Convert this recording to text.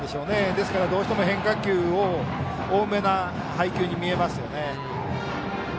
ですから、どうしても変化球が多めな配球に見えますね。